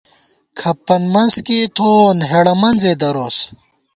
کھپن مَنز کېئ تھووون، ہېڑہ منزے دَروس